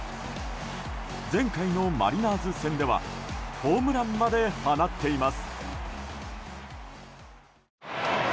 前回のマリナーズ戦ではホームランまで放っています。